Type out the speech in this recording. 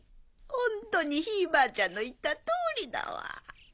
ホントにひいばあちゃんの言った通りだわ。